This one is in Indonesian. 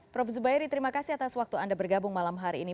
prof zubairi terima kasih atas waktu anda bergabung malam hari ini